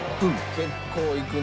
結構いくね！